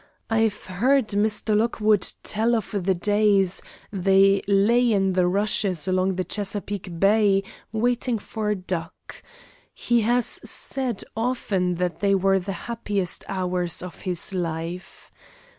I've heard Mr. Lockwood tell of the days they lay in the rushes along the Chesapeake Bay waiting for duck. He has said often that they were the happiest hours of his life.